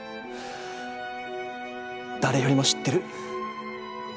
誰よりも知ってる。